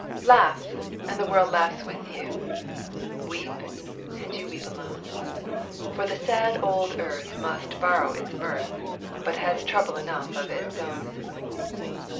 Laugh, and the world laughs with you; Weep, and you weep alone; For the sad old earth must borrow its mirth, But has trouble enough of its own.